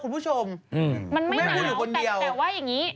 มันไม่หนาวแต่ว่าอย่างนี้